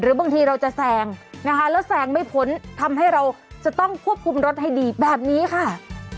บางทีเราจะแซงนะคะแล้วแซงไม่พ้นทำให้เราจะต้องควบคุมรถให้ดีแบบนี้ค่ะ